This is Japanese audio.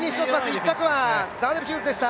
１着はザーネル・ヒューズでした。